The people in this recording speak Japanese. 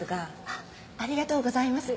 ありがとうございます。